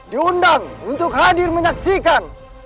diundang untuk hadir menyaksikan